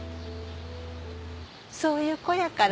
そういう子やから。